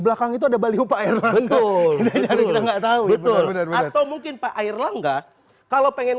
belakang itu ada baril bro capital itu enggak tahu betul betul atau mungkin pak air lomba kalau pengen